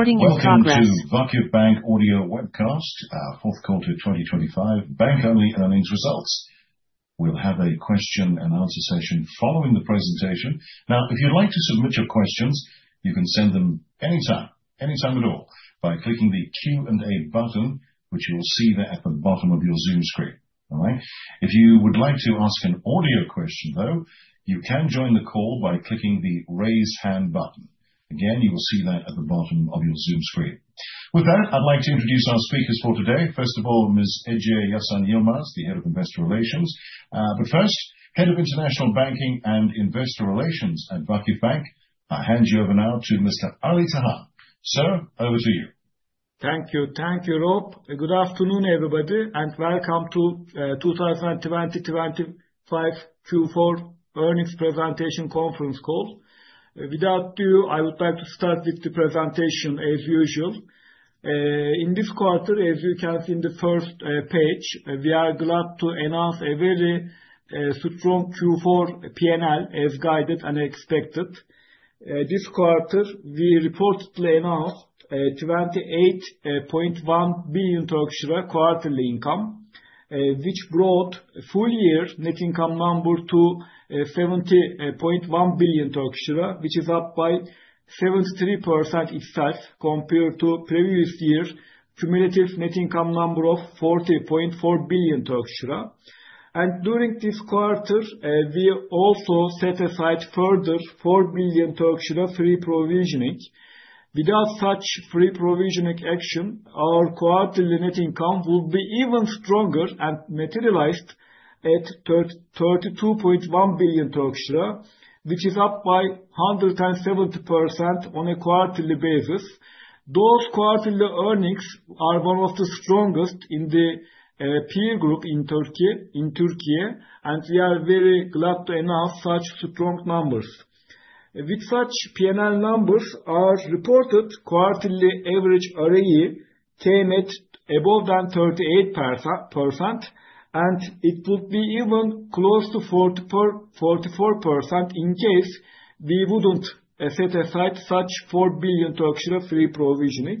Welcome to VakıfBank Audio Webcast, our Fourth Quarter 2025 Bank Only Earnings Results. We'll have a question and answer session following the presentation. Now, if you'd like to submit your questions, you can send them anytime at all, by clicking the Q&A button, which you will see there at the bottom of your Zoom screen. All right? If you would like to ask an audio question, though, you can join the call by clicking the raise hand button. Again, you will see that at the bottom of your Zoom screen. With that, I'd like to introduce our speakers for today. First of all, Ms. Ece Seda Yasan Yılmaz, the Head of Investor Relations. But first, Head of International Banking and Investor Relations at VakıfBank. I hand you over now to Mr. Ali Tahan. Sir, over to you. Thank you. Thank you, Rob, and good afternoon, everybody, and welcome to 2025 Q4 Earnings Presentation Conference Call. Without ado, I would like to start with the presentation as usual. In this quarter, as you can see in the first page, we are glad to announce a very strong Q4 PNL as guided and expected. This quarter, we reportedly announced a TRY 28.1 billion quarterly income, which brought full year net income number to 70.1 billion Turkish lira, which is up by 73% itself compared to previous year cumulative net income number of 40.4 billion Turkish lira. During this quarter, we also set aside further 4 billion Turkish lira pre-provision profit. Without such pre-provisioning action, our quarterly net income will be even stronger and materialized at 32.1 billion Turkish lira, which is up by 170% on a quarterly basis. Those quarterly earnings are one of the strongest in the peer group in Turkey, and we are very glad to announce such strong numbers. With such PNL numbers, our reported quarterly average ROE came at above than 38%, and it would be even close to 44% in case we wouldn't set aside such 4 billion pre-provisioning.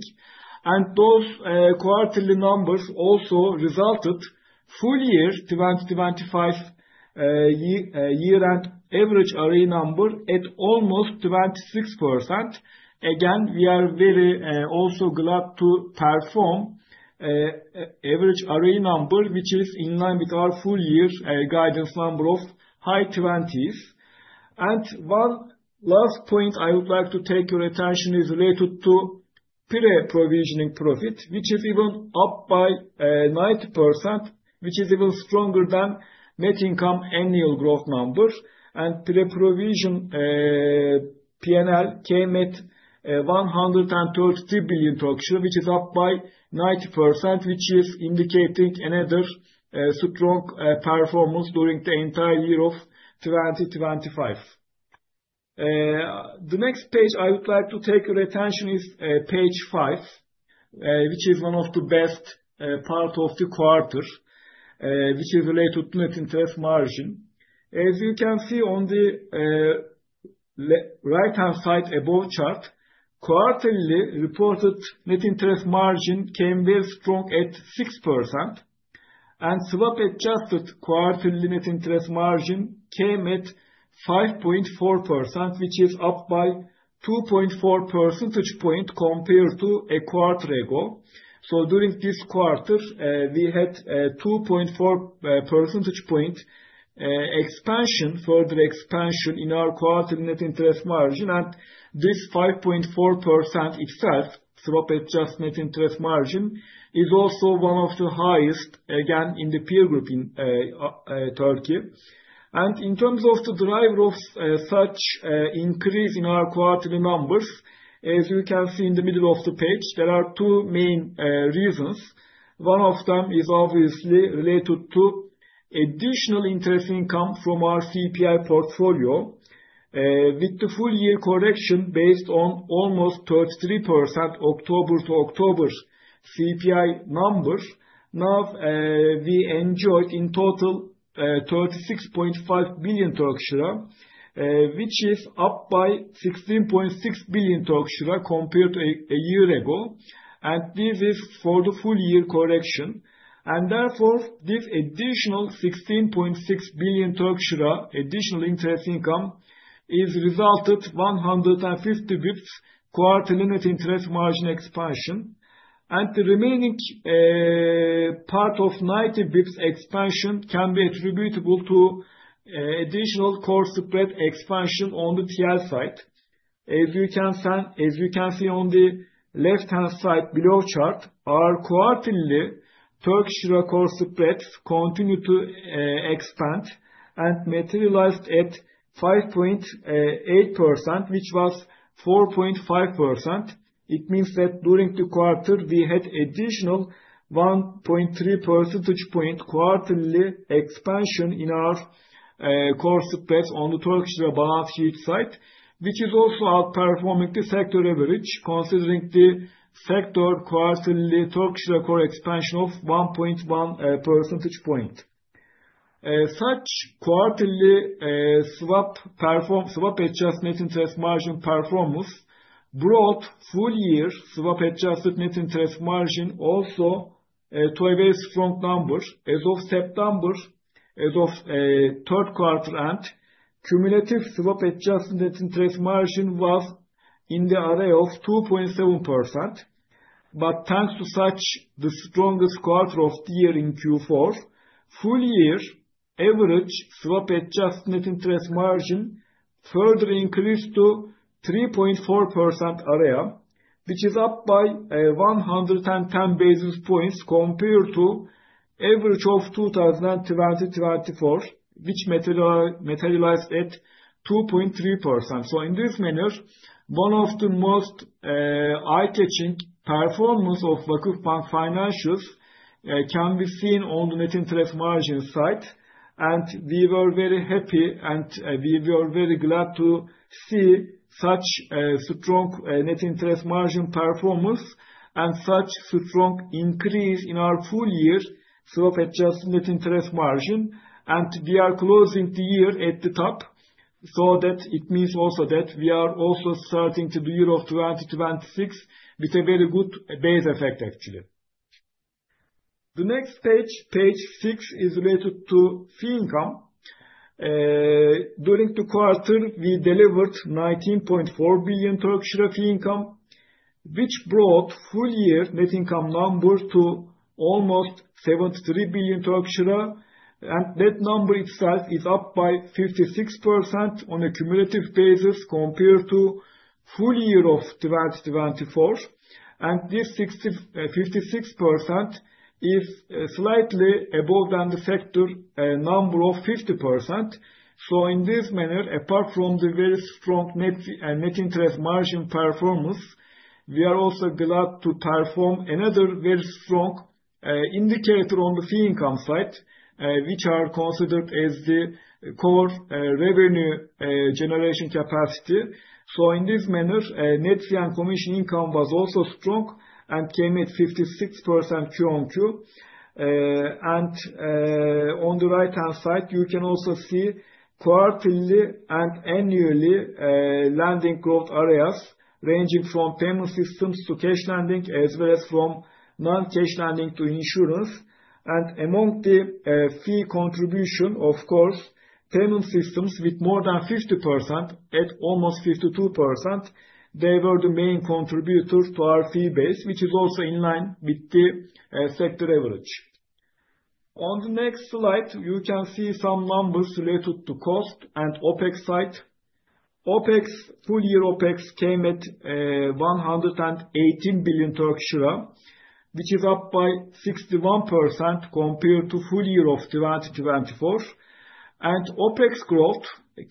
Those quarterly numbers also resulted full year 2025 year-end average ROE number at almost 26%. Again, we are very also glad to perform average ROE number, which is in line with our full year guidance number of high 20%. One last point I would like to take your attention is related to pre-provision profit, which is even up by 90%, which is even stronger than net income annual growth number. Pre-provision PNL came at 133 billion, which is up by 90%, which is indicating another strong performance during the entire year of 2025. The next page I would like to take your attention is page five, which is one of the best part of the quarter, which is related to net interest margin. As you can see on the right-hand side above chart, quarterly reported net interest margin came very strong at 6% and swap-adjusted quarterly net interest margin came at 5.4%, which is up by 2.4 percentage point compared to a quarter ago. During this quarter, we had a 2.4 percentage point expansion, further expansion in our quarterly net interest margin. This 5.4% itself, swap-adjusted net interest margin, is also one of the highest, again, in the peer group in Turkey. In terms of the driver of such increase in our quarterly numbers, as you can see in the middle of the page, there are two main reasons. One of them is obviously related to additional interest income from our CPI portfolio. With the full-year correction based on almost 33% October to October CPI numbers, now, we enjoyed in total, 36.5 billion Turkish lira, which is up by 16.6 billion Turkish lira compared to a year ago, and this is for the full year correction. Therefore, this additional 16.6 billion Turkish lira additional interest income is resulted 150 basis points quarterly net interest margin expansion. The remaining, part of 90 basis points expansion can be attributable to, additional core spread expansion on the TL side. As you can see on the left-hand side below chart, our quarterly Turkish lira core spreads continued to expand and materialized at 5.8%, which was 4.5%. It means that during the quarter, we had additional 1.3 percentage point quarterly expansion in our core spreads on the Turkish lira balance sheet side, which is also outperforming the sector average, considering the sector quarterly Turkish lira core expansion of 1.1 percentage point. Such quarterly swap-adjusted net interest margin performance brought full year swap-adjusted net interest margin also to a very strong number. As of September, third quarter end, cumulative swap-adjusted net interest margin was in the area of 2.7%. Thanks to such the strongest quarter of the year in Q4, full year average swap-adjusted net interest margin further increased to 3.4%, which is up by 110 basis points compared to average of 2024, which materialized at 2.3%. In this manner, one of the most eye-catching performance of VakıfBank financials can be seen on the net interest margin side. We were very happy, and we were very glad to see such a strong net interest margin performance and such strong increase in our full year swap-adjusted net interest margin. We are closing the year at the top so that it means also that we are also starting to the year of 2026 with a very good base effect actually. The next page six, is related to fee income. During the quarter, we delivered 19.4 billion fee income, which brought full year net income numbers to almost 73 billion Turkish lira. That number itself is up by 56% on a cumulative basis compared to full year of 2024. This 56% is slightly above than the sector number of 50%. In this manner, apart from the very strong net interest margin performance, we are also glad to perform another very strong indicator on the fee income side, which are considered as the core revenue generation capacity. In this manner, net fee and commission income was also strong and came at 56% quarter-on-quarter. On the right-hand side, you can also see quarterly and annually, lending growth areas ranging from payment systems to cash lending, as well as from non-cash lending to insurance. Among the fee contribution, of course, payment systems with more than 50% at almost 52%, they were the main contributors to our fee base, which is also in line with the sector average. On the next slide, you can see some numbers related to cost and OpEx side. OpEx, full year OpEx came at 118 billion Turkish lira, which is up by 61% compared to full year of 2024. OpEx growth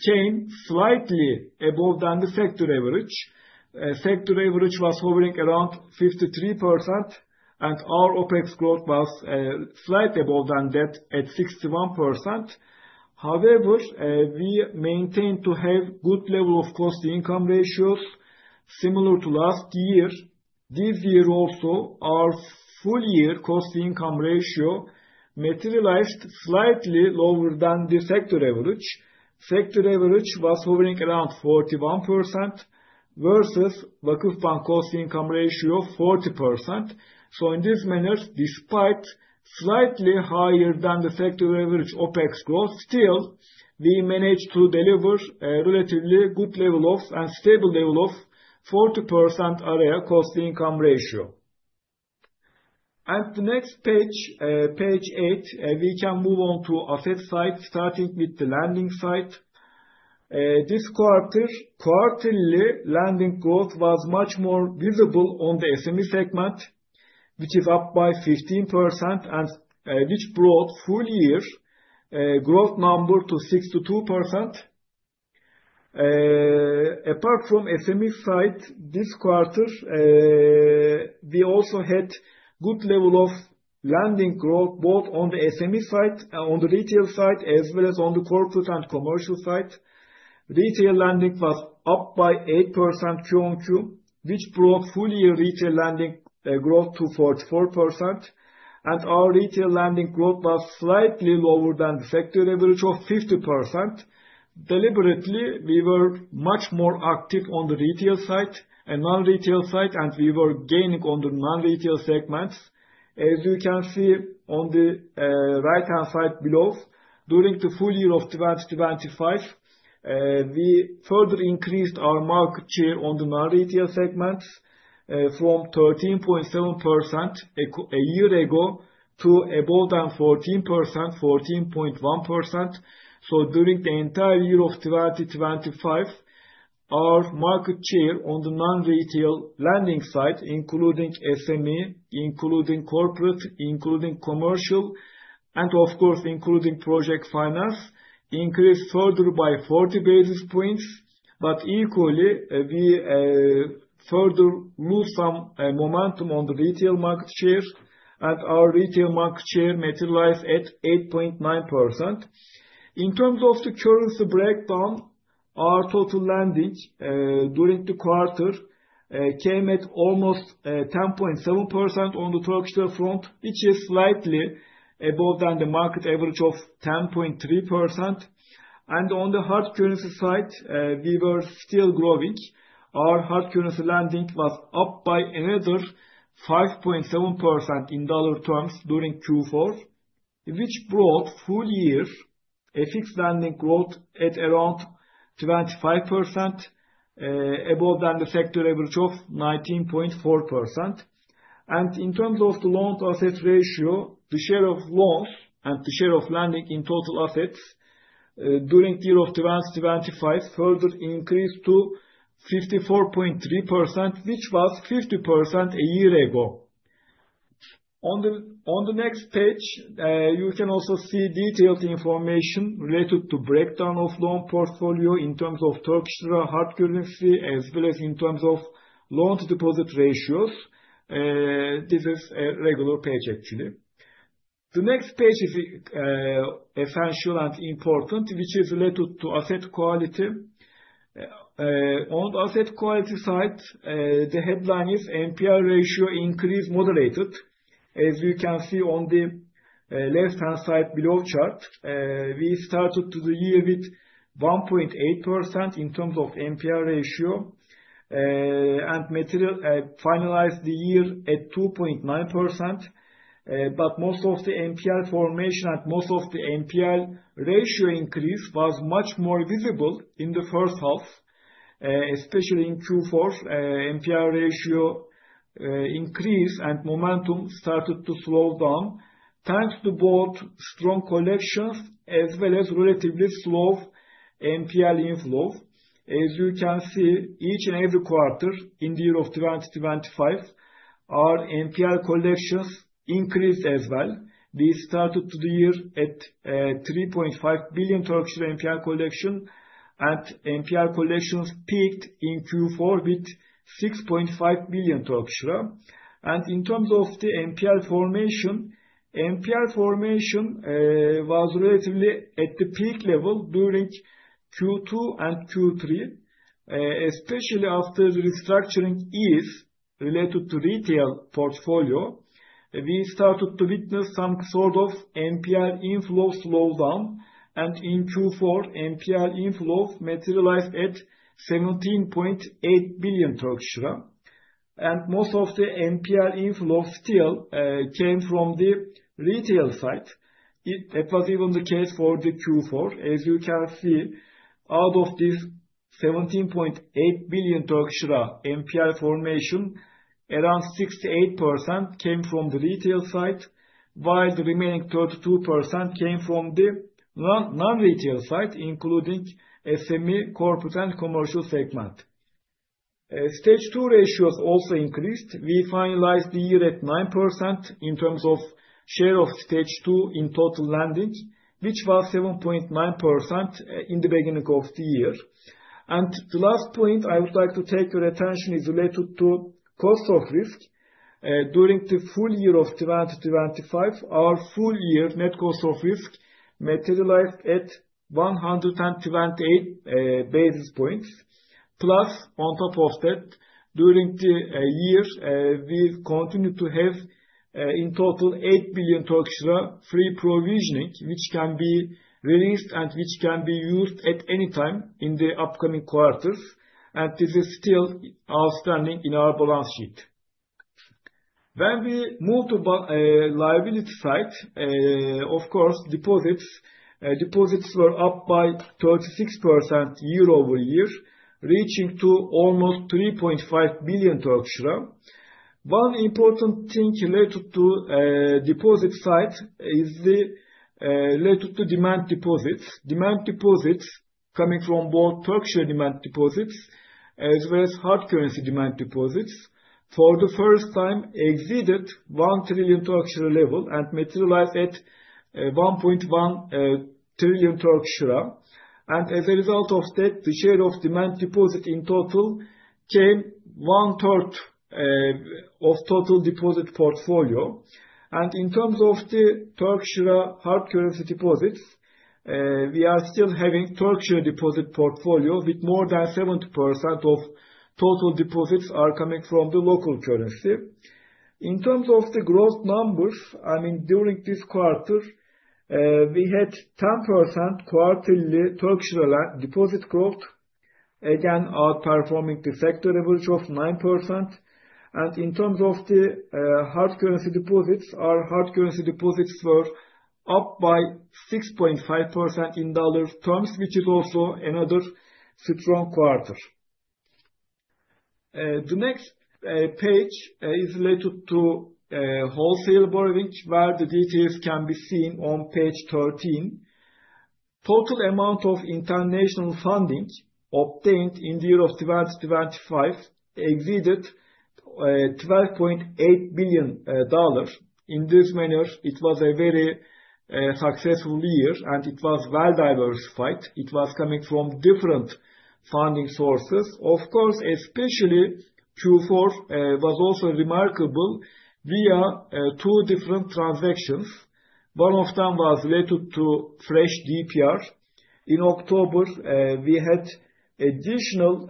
came slightly above than the sector average. Sector average was hovering around 53%, and our OpEx growth was slightly above than that at 61%. However, we maintained to have good level of cost-to-income ratios similar to last year. This year also, our full year cost-to-income ratio materialized slightly lower than the sector average. Sector average was hovering around 41% versus VakıfBank cost-to-income ratio of 40%. In this manner, despite slightly higher than the sector average OpEx growth, still, we managed to deliver a relatively good level of, and stable level of 40% area cost-to-income ratio. At the next page eight, we can move on to asset side, starting with the lending side. This quarter, quarterly lending growth was much more visible on the SME segment, which is up by 15% and, which brought full year growth number to 62%. Apart from SME side, this quarter, we also had good level of lending growth both on the SME side, on the retail side, as well as on the corporate and commercial side. Retail lending was up by 8% Q on Q, which brought full year retail lending growth to 44%. Our retail lending growth was slightly lower than the sector average of 50%. Deliberately, we were much more active on the retail side and non-retail side, and we were gaining on the non-retail segments. As you can see on the right-hand side below, during the full year of 2025, we further increased our market share on the non-retail segments from 13.7% a year ago to above than 14%, 14.1%. During the entire year of 2025, our market share on the non-retail lending side, including SME, including corporate, including commercial, and of course, including project finance, increased further by 40 basis points. Equally, we further moved some momentum on the retail market share, and our retail market share materialized at 8.9%. In terms of the currency breakdown, our total lending during the quarter came at almost 10.7% on the Turkish lira front, which is slightly above than the market average of 10.3%. On the hard currency side, we were still growing. Our hard currency lending was up by another 5.7% in dollar terms during Q4, which brought full year FX lending growth at around 25%, above than the sector average of 19.4%. In terms of the loan-to-asset ratio, the share of loans and the share of lending in total assets, during 2025 further increased to 54.3%, which was 50% a year ago. On the next page, you can also see detailed information related to breakdown of loan portfolio in terms of Turkish lira, hard currency, as well as in terms of loan-to-deposit ratios. This is a regular page actually. The next page is essential and important, which is related to asset quality. On asset quality side, the headline is NPL ratio increase moderated. As you can see on the left-hand side below chart, we started the year with 1.8% in terms of NPL ratio, and finalized the year at 2.9%. Most of the NPL formation and most of the NPL ratio increase was much more visible in the first half, especially in Q4. NPL ratio increase and momentum started to slow down thanks to both strong collections as well as relatively slow NPL inflow. As you can see, each and every quarter in the year of 2025, our NPL collections increased as well. We started the year at 3.5 billion NPL collection, and NPL collections peaked in Q4 with 6.5 billion Turkish lira. In terms of the NPL formation, NPL formation was relatively at the peak level during Q2 and Q3. Especially after the restructuring ease related to retail portfolio, we started to witness some sort of NPL inflow slowdown, and in Q4, NPL inflow materialized at 17.8 billion Turkish lira. Most of the NPL inflow still came from the retail side. It was even the case for the Q4. As you can see, out of this 17.8 billion Turkish lira NPL formation, around 68% came from the retail side, while the remaining 32% came from the non-retail side, including SME, corporate, and commercial segment. Stage 2 ratios also increased. We finalized the year at 9% in terms of share of Stage 2 in total lending, which was 7.9% in the beginning of the year. The last point I would like to draw your attention is related to cost of risk. During the full year of 2025, our full year net cost of risk materialized at 128 basis points. Plus, on top of that, during the year, we continued to have in total 8 billion Turkish lira free provision, which can be released and which can be used at any time in the upcoming quarters. This is still standing in our balance sheet. When we move to liability side, of course, deposits were up by 36% year-over-year, reaching to almost 3.5 billion Turkish lira. One important thing related to deposit side is related to demand deposits. Demand deposits coming from both Turkish lira demand deposits as well as hard currency demand deposits for the first time exceeded 1 trillion level and materialized at 1.1 trillion. As a result of that, the share of demand deposit in total came 1/3 of total deposit portfolio. In terms of the Turkish lira and hard currency deposits, we are still having Turkish lira deposit portfolio with more than 70% of total deposits are coming from the local currency. In terms of the growth numbers, I mean, during this quarter, we had 10% quarterly Turkish lira deposit growth, again, outperforming the sector average of 9%. In terms of the hard currency deposits, our hard currency deposits were up by 6.5% in dollar terms, which is also another strong quarter. The next page is related to wholesale borrowing, where the details can be seen on page 13. Total amount of international funding obtained in the year of 2025 exceeded $12.8 billion. In this manner, it was a very successful year, and it was well-diversified. It was coming from different funding sources. Of course, especially Q4 was also remarkable via two different transactions. One of them was related to fresh DPR. In October, we had additional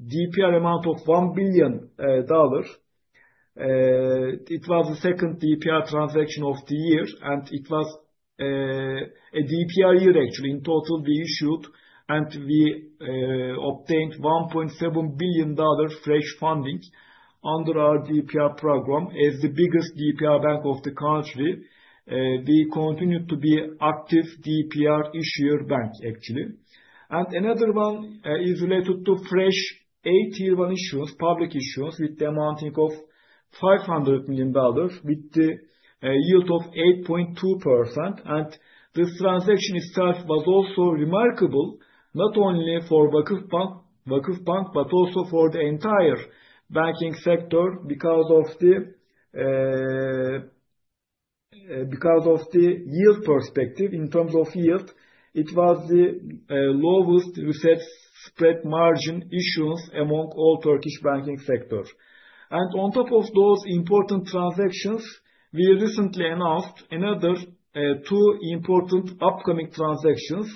DPR amount of $1 billion. It was the second DPR transaction of the year, and it was a DPR year actually. In total, we issued and obtained $1.7 billion fresh fundings under our DPR program. As the biggest DPR bank of the country, we continued to be active DPR issuer bank actually. Another one is related to fresh AT1 issuance, public issuance with the amounting of $500 million with the yield of 8.2%. This transaction itself was also remarkable, not only for VakıfBank, but also for the entire banking sector because of the yield perspective. In terms of yield, it was the lowest reset spread margin issuance among all Turkish banking sector. On top of those important transactions, we recently announced another two important upcoming transactions.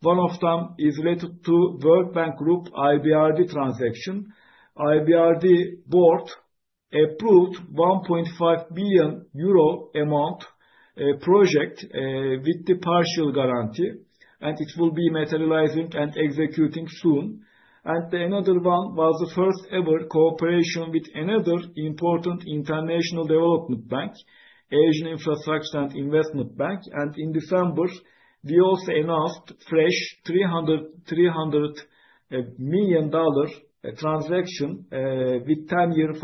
One of them is related to World Bank Group IBRD transaction. IBRD board approved 1.5 billion euro amount project with the partial guarantee, and it will be materializing and executing soon. Another one was the first ever cooperation with another important international development bank, Asian Infrastructure Investment Bank. In December, we also announced fresh $300 million transaction with 10-year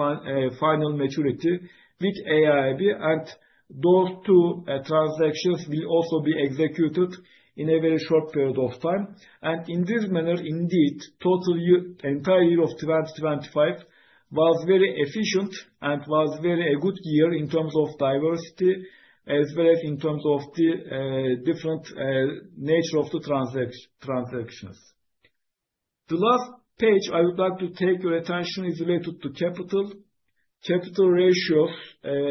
final maturity with AIIB. Those two transactions will also be executed in a very short period of time. In this manner, indeed, entire year of 2025 was very efficient and was very a good year in terms of diversity as well as in terms of the different nature of the transactions. The last page I would like to draw your attention is related to capital. Capital ratios,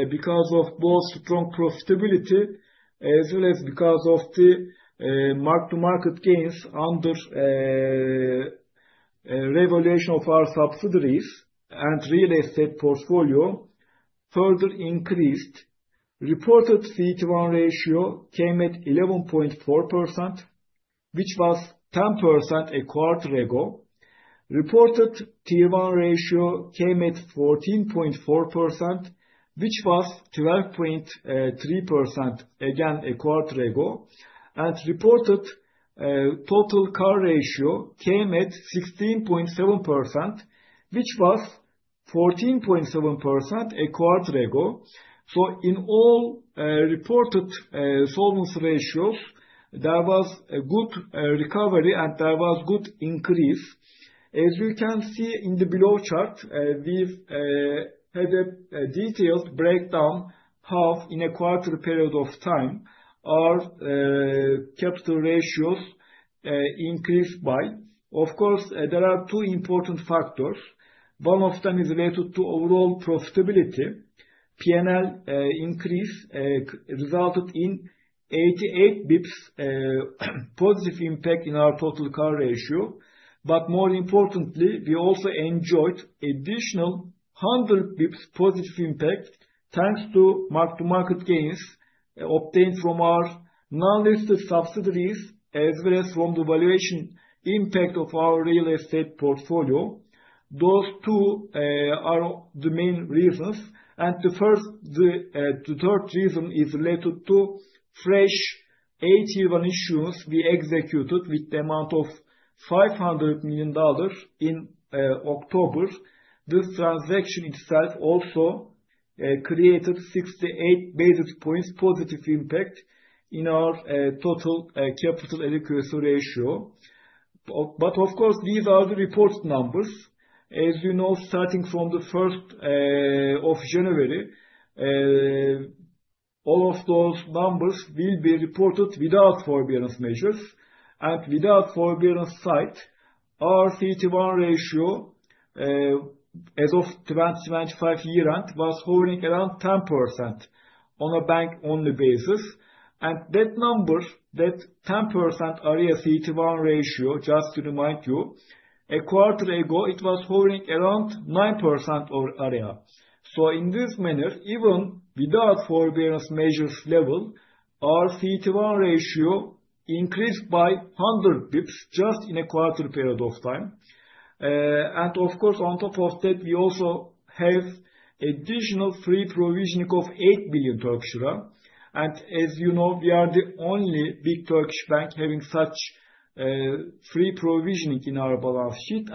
because of both strong profitability as well as because of the mark-to-market gains under revaluation of our subsidiaries and real estate portfolio further increased. Reported CET1 ratio came at 11.4%, which was 10% a quarter ago. Reported Tier 1 ratio came at 14.4%, which was 12.3% again a quarter ago. Reported total CAR ratio came at 16.7%, which was 14.7% a quarter ago. In all, reported solvency ratios, there was a good recovery, and there was good increase. As you can see in the below chart, we've had a detailed breakdown how in a quarter period of time our capital ratios increased by. Of course, there are two important factors. One of them is related to overall profitability. P&L increase resulted in 88 basis points positive impact in our total CAR ratio. More importantly, we also enjoyed additional 100 basis points positive impact, thanks to mark-to-market gains obtained from our non-listed subsidiaries as well as from the valuation impact of our real estate portfolio. Those two are the main reasons. The third reason is related to fresh AT1 issuance we executed with the amount of $500 million in October. This transaction itself also created 68 basis points positive impact in our total capital adequacy ratio. Of course, these are the reported numbers. As you know, starting from the first of January, all of those numbers will be reported without forbearance measures. Without forbearance side, our CET1 ratio as of 2025 year-end was hovering around 10% on a bank-only basis. That number, that 10% RWA CET1 ratio, just to remind you, a quarter ago, it was hovering around 9% of RWA. In this manner, even without forbearance measures level, our CET1 ratio increased by 100 basis points just in a quarter period of time. Of course, on top of that, we also have additional free provision of 8 billion Turkish lira. As you know, we are the only big Turkish bank having such free provision in our balance sheet.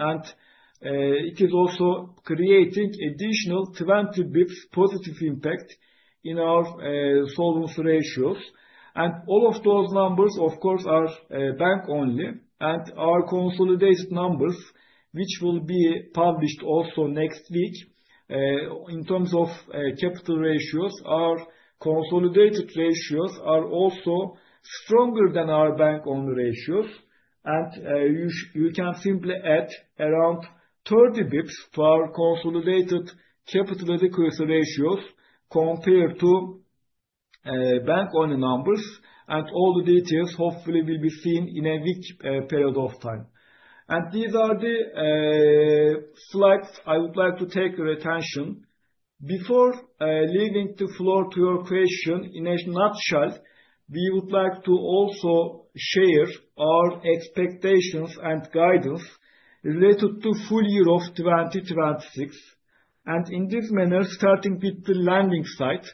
It is also creating additional 20 basis points positive impact in our solvency ratios. All of those numbers, of course, are bank only. Our consolidated numbers, which will be published also next week, in terms of, capital ratios, our consolidated ratios are also stronger than our bank-only ratios. You can simply add around 30 basis points for consolidated capital adequacy ratios compared to bank-only numbers, and all the details hopefully will be seen in a week period of time. These are the slides I would like to take your attention. Before leaving the floor to your question, in a nutshell, we would like to also share our expectations and guidance related to full year of 2026. In this manner, starting with the lending side.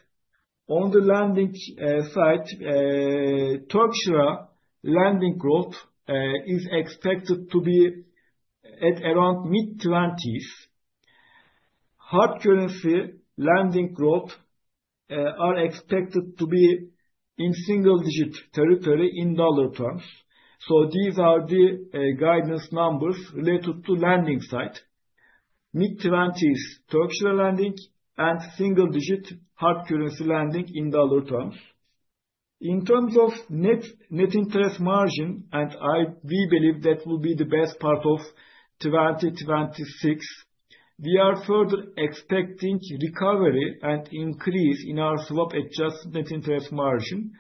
On the lending side, Turkish lira lending growth is expected to be at around mid-20%. Hard currency lending growth are expected to be in single-digit territory in dollar terms. These are the guidance numbers related to lending side. Mid-20% TRY lending and single-digit accuracy lending in dollar term. In terms of net interest margin, we believe that will be the best part of 2026, we are further expecting recovery and increase in our swap-adjusted net interest margin.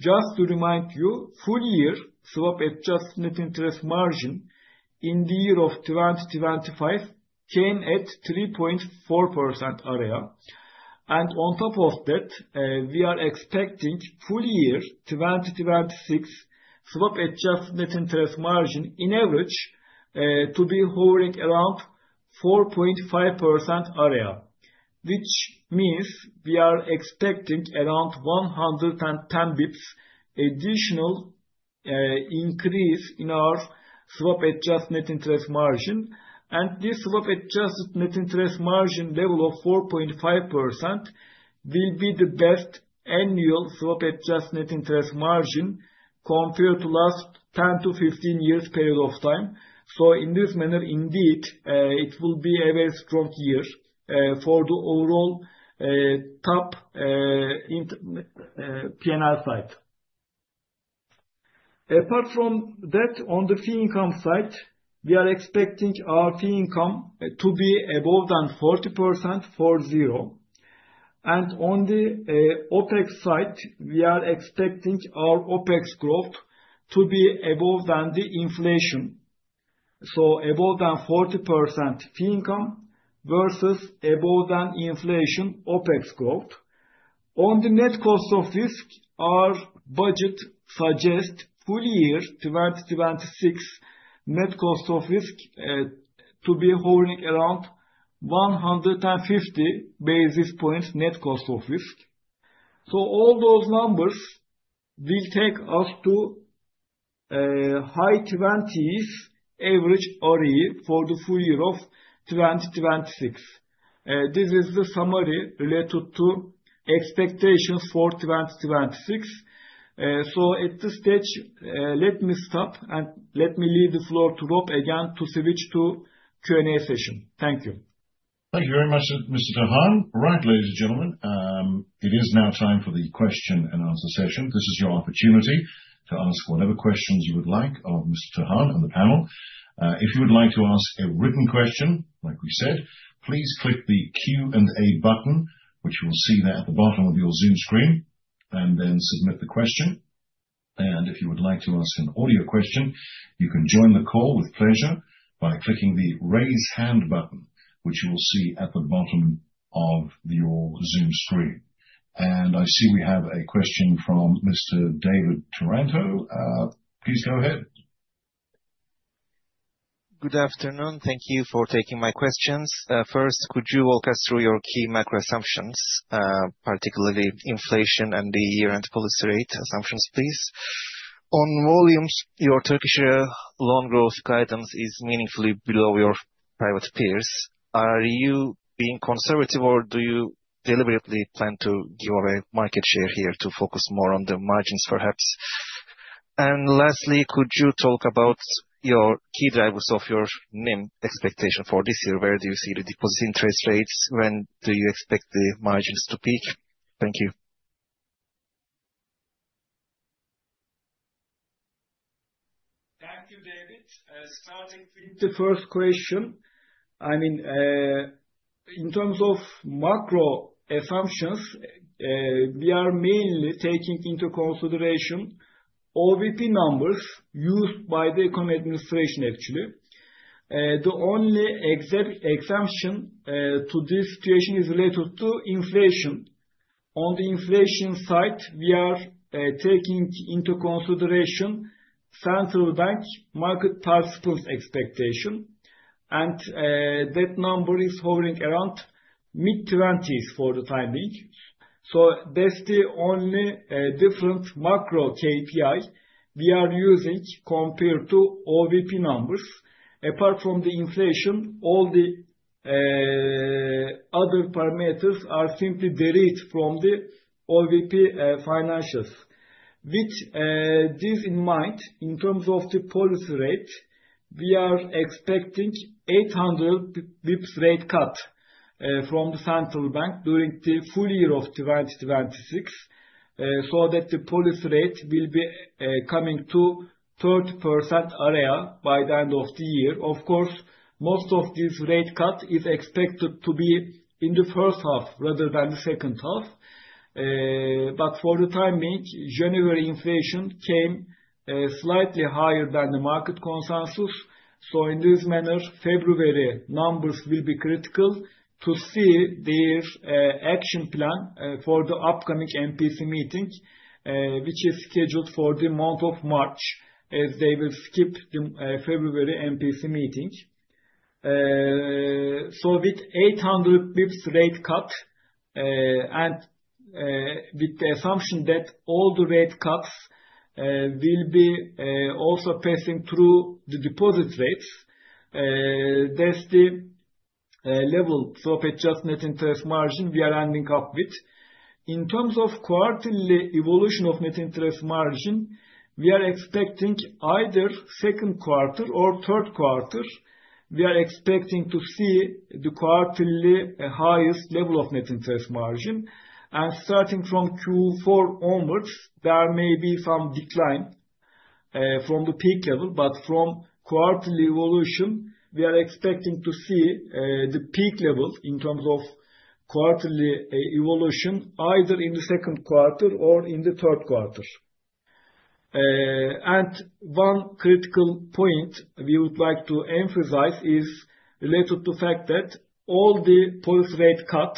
Just to remind you, full-year swap-adjusted net interest margin in the year of 2025 came at 3.4% area. On top of that, we are expecting full-year 2026 swap-adjusted net interest margin on average to be hovering around 4.5% area. Which means we are expecting around 110 basis points additional increase in our swap-adjusted net interest margin. This swap-adjusted net interest margin level of 4.5% will be the best annual swap-adjusted net interest margin compared to last 10-15 years period of time. In this manner, indeed, it will be a very strong year for the overall top-line P&L side. Apart from that, on the fee income side, we are expecting our fee income growth to be above than 40%. On the OpEx side, we are expecting our OpEx growth to be above than the inflation. Above than 40% fee income versus above than inflation OpEx growth. On the net cost of risk, our budget suggests full year 2026 net cost of risk to be hovering around 150 basis points net cost of risk. All those numbers will take us to high twenties average ROE for the full year of 2026. This is the summary related to expectations for 2026. At this stage, let me stop and let me leave the floor to Rob again to switch to Q&A session. Thank you. Thank you very much, Mr. Tahan. Right, ladies and gentlemen, it is now time for the question and answer session. This is your opportunity to ask whatever questions you would like of Mr. Tahan and the panel. If you would like to ask a written question, like we said, please click the Q&A button, which you will see there at the bottom of your Zoom screen, and then submit the question. If you would like to ask an audio question, you can join the call with pleasure by clicking the Raise Hand button, which you will see at the bottom of your Zoom screen. I see we have a question from Mr. David Taranto. Please go ahead. Good afternoon. Thank you for taking my questions. First, could you walk us through your key macro assumptions, particularly inflation and the year-end policy rate assumptions, please? On volumes, your Turkish lira loan growth guidance is meaningfully below your private peers. Are you being conservative, or do you deliberately plan to give away market share here to focus more on the margins, perhaps? Lastly, could you talk about your key drivers of your NIM expectation for this year? Where do you see the deposit interest rates? When do you expect the margins to peak? Thank you. Thank you, David. Starting with the first question. I mean, in terms of macro assumptions, we are mainly taking into consideration OVP numbers used by the economy administration actually. The only exception to this equation is related to inflation. On the inflation side, we are taking into consideration central bank market participants' expectation. That number is hovering around mid-20% for the time being. That's the only different macro KPI we are using compared to OVP numbers. Apart from the inflation, all the other parameters are simply derived from the OVP financials. With this in mind, in terms of the policy rate, we are expecting 800 basis points rate cut from the central bank during the full year of 2026, so that the policy rate will be coming to 30% area by the end of the year. Of course, most of this rate cut is expected to be in the first half rather than the second half. For the time being, January inflation came slightly higher than the market consensus. In this manner, February numbers will be critical to see the action plan for the upcoming MPC meeting, which is scheduled for the month of March, as they will skip the February MPC meeting. With 800 basis points rate cut and with the assumption that all the rate cuts will be also passing through the deposit rates, that's the level of adjusted net interest margin we are ending up with. In terms of quarterly evolution of net interest margin, we are expecting either second quarter or third quarter. We are expecting to see the quarterly highest level of net interest margin. Starting from Q4 onwards, there may be some decline from the peak level. From quarterly evolution, we are expecting to see the peak levels in terms of quarterly evolution, either in the second quarter or in the third quarter. One critical point we would like to emphasize is related to the fact that all the policy rate cut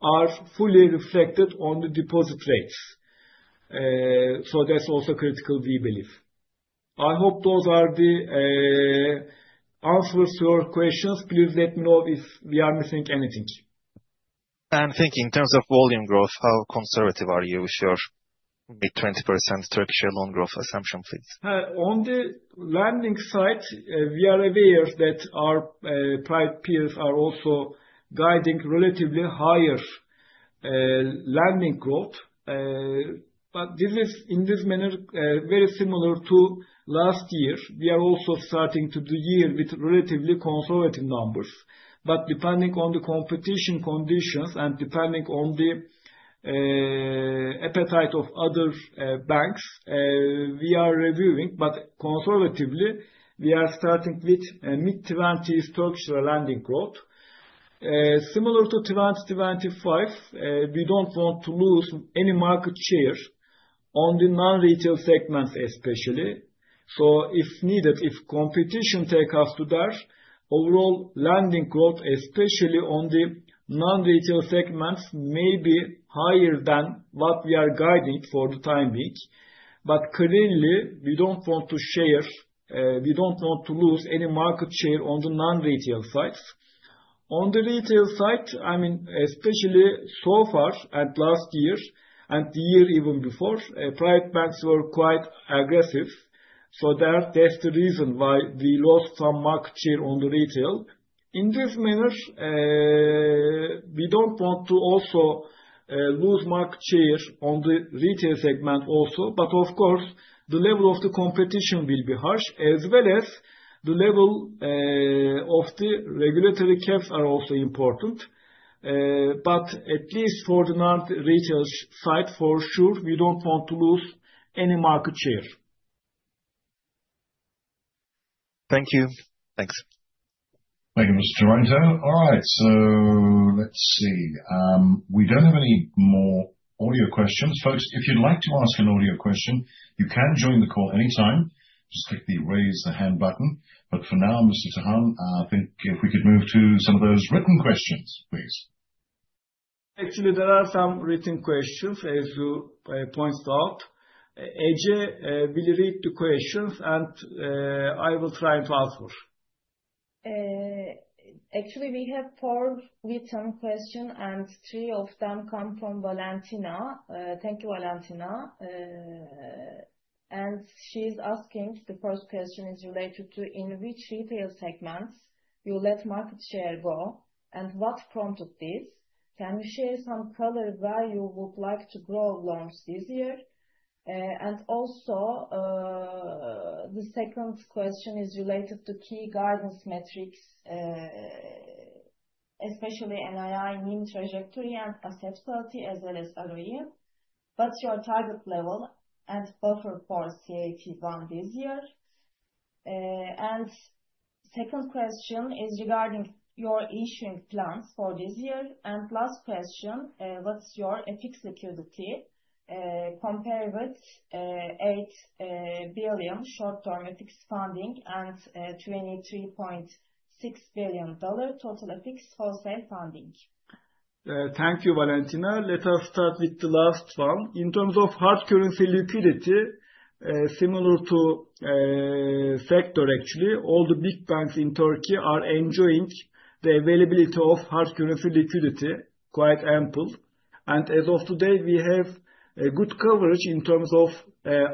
are fully reflected on the deposit rates. That's also critical, we believe. I hope those are the answers to your questions. Please let me know if we are missing anything. I'm thinking in terms of volume growth, how conservative are you with your mid-20% Turkish loan growth assumption, please? On the lending side, we are aware that our private peers are also guiding relatively higher lending growth. This is in this manner very similar to last year. We are also starting to the year with relatively conservative numbers. Depending on the competition conditions and depending on the appetite of other banks, we are reviewing. Conservatively, we are starting with a mid-20% structural lending growth. Similar to 2025, we don't want to lose any market share on the non-retail segments especially. If needed, if competition take us to there, overall lending growth, especially on the non-retail segments, may be higher than what we are guiding for the time being. Clearly, we don't want to lose any market share on the non-retail side. On the retail side, I mean, especially so far and last year and the year even before, private banks were quite aggressive. There, that's the reason why we lost some market share on the retail. In this manner, we don't want to also, lose market share on the retail segment also. Of course, the level of the competition will be harsh as well as the level, of the regulatory caps are also important. At least for the non-retail side, for sure, we don't want to lose any market share. Thank you. Thanks. Thank you, Mr. Taranto. All right, let's see. We don't have any more audio questions. Folks, if you'd like to ask an audio question, you can join the call anytime. Just click the Raise the Hand button. For now, Mr. Tahan, I think if we could move to some of those written questions, please. Actually, there are some written questions, as you pointed out. Ece will read the questions, and I will try to answer. Actually, we have four written questions, and three of them come from Valentina. Thank you, Valentina. She's asking, the first question is related to in which retail segments you let market share go, and what prompted this? Can you share some color where you would like to grow loans this year? Also, the second question is related to key guidance metrics, especially NII, NIM trajectory and asset quality as well as ROE. What's your target level and buffer for CET1 this year? And second question is regarding your issuing plans for this year. Last question, what's your FX security compared with $8 billion short-term FX funding and $23.6 billion total FX wholesale funding. Thank you, Valentina. Let us start with the last one. In terms of hard currency liquidity, similar to sector actually, all the big banks in Turkey are enjoying the availability of hard currency liquidity quite ample. As of today, we have a good coverage in terms of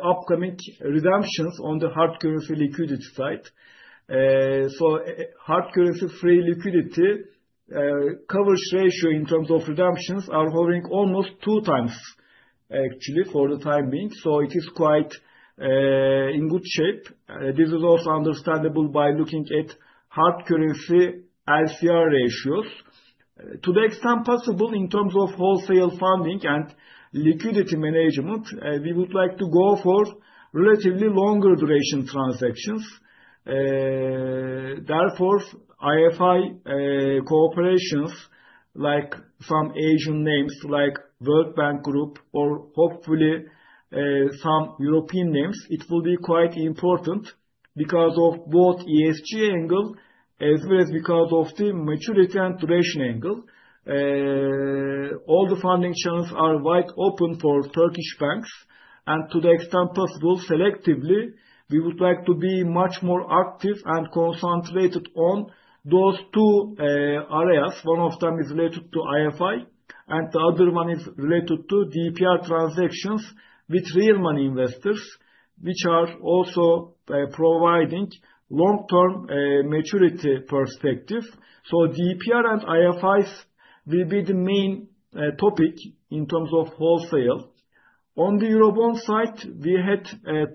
upcoming redemptions on the hard currency liquidity side. Hard currency free liquidity coverage ratio in terms of redemptions are hovering almost 2x actually for the time being. It is quite in good shape. This is also understandable by looking at hard currency LCR ratios. To the extent possible in terms of wholesale funding and liquidity management, we would like to go for relatively longer duration transactions. Therefore, IFI corporations like some Asian names, like World Bank Group or hopefully some European names, it will be quite important because of both ESG angle as well as because of the maturity and duration angle. All the funding channels are wide open for Turkish banks, and to the extent possible, selectively, we would like to be much more active and concentrated on those two areas. One of them is related to IFI and the other one is related to DPR transactions with real money investors, which are also providing long-term maturity perspective. DPR and IFIs will be the main topic in terms of wholesale. On the Eurobond side, we had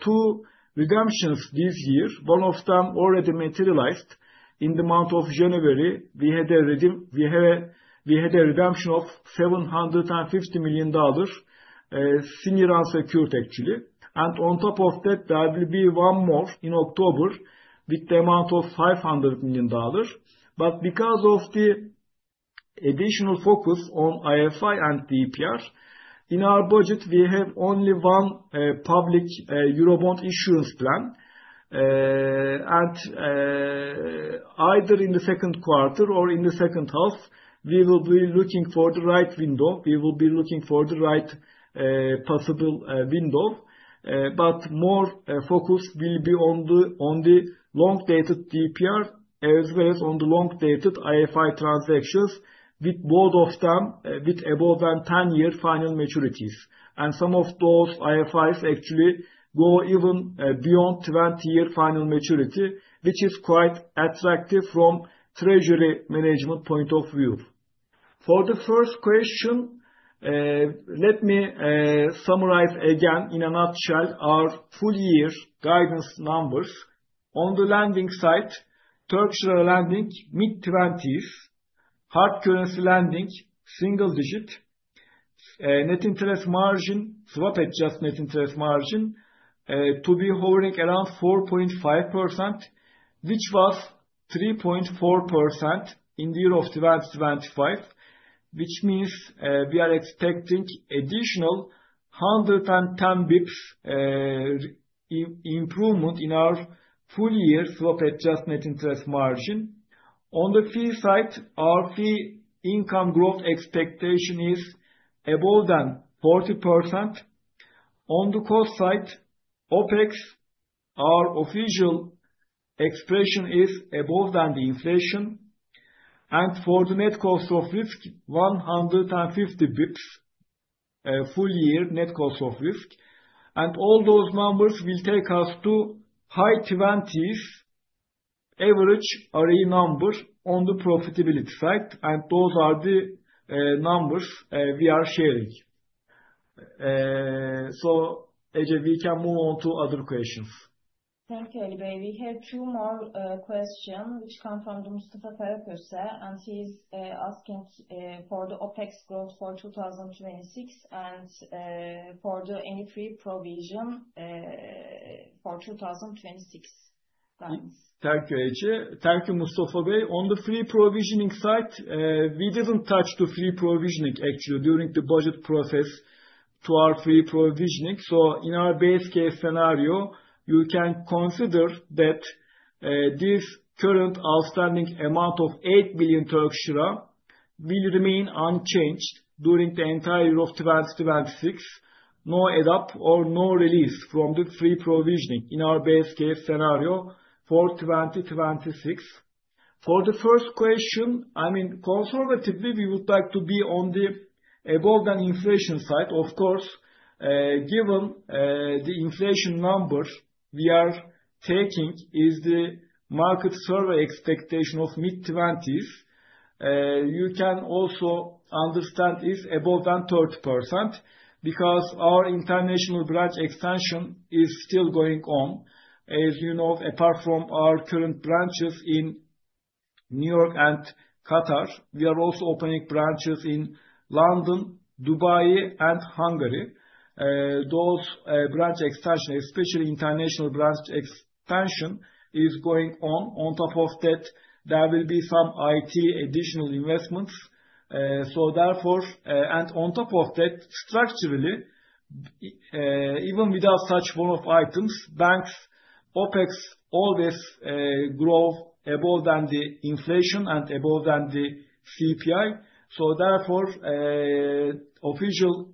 two redemptions this year. One of them already materialized in the month of January. We had a redemption of $750 million, senior unsecured actually. On top of that, there will be one more in October with the amount of $500 million. Because of the additional focus on IFI and DPR, in our budget we have only one public Eurobond issuance plan. Either in the second quarter or in the second half, we will be looking for the right window. More focus will be on the long-dated DPR as well as on the long-dated IFI transactions with both of them with above 10-year final maturities. Some of those IFIs actually go even beyond 20-year final maturity, which is quite attractive from treasury management point of view. For the first question, let me summarize again in a nutshell our full year guidance numbers. On the lending side, Turkish lira lending mid-20%, hard currency lending single digit. Net interest margin, swap-adjusted net interest margin, to be hovering around 4.5%, which was 3.4% in the year of 2025. Which means, we are expecting additional 110 basis points improvement in our full year swap-adjusted net interest margin. On the fee side, our fee income growth expectation is above than 40%. On the cost side, OpEx, our official expression is above than the inflation. For the net cost of risk, 150 basis points full year net cost of risk. All those numbers will take us to high twenties average ROE number on the profitability side. Those are the numbers we are sharing. Ece, we can move on to other questions. Thank you, Ali. We have two more questions which come from Mustafa Faruk Köse, and he's asking for the OpEx growth for 2026 and for any free provision for 2026 plans. Thank you, Ece. Thank you, Mustafa. On the free provision side, we didn't touch the free provision actually during the budget process to our free provision. In our base case scenario, you can consider that, this current outstanding amount of 8 billion Turkish lira will remain unchanged during the entire year of 2026. No add up or no release from the free provision in our base case scenario for 2026. For the first question, I mean, conservatively, we would like to be on the above than inflation side. Of course, given, the inflation number we are taking is the market survey expectation of mid-20%. You can also understand it's above than 30% because our international branch expansion is still going on. As you know, apart from our current branches in New York and Qatar, we are also opening branches in London, Dubai and Hungary. Those branch expansion, especially international branch expansion, is going on. On top of that, there will be some IT additional investments. On top of that, structurally, even without such form of items, banks OpEx always grow above than the inflation and above than the CPI. Therefore, official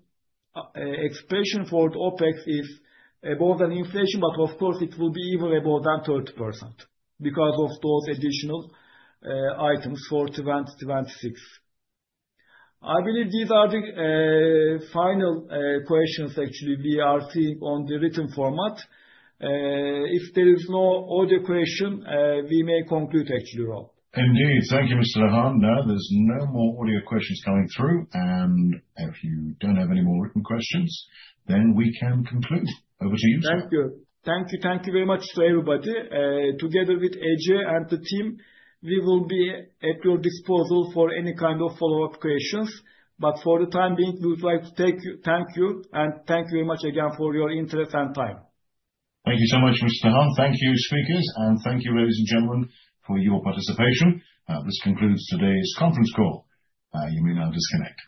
expression for OpEx is above an inflation. Of course it will be even above than 12% because of those additional items for 2026. I believe these are the final questions actually we are seeing on the written format. If there is no audio question, we may conclude actually, Rob. Indeed. Thank you, Mr. Tahan. No, there's no more audio questions coming through. If you don't have any more written questions, then we can conclude. Over to you, sir. Thank you very much, everybody. Together with Ece and the team, we will be at your disposal for any kind of follow-up questions. For the time being, thank you and thank you very much again for your interest and time. Thank you so much, Mr. Tahan. Thank you, speakers, and thank you, ladies and gentlemen, for your participation. This concludes today's conference call. You may now disconnect.